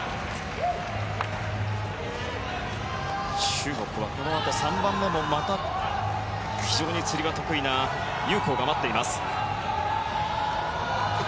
中国はこのあと３番目も非常につり輪が得意なユウ・コウが待っています。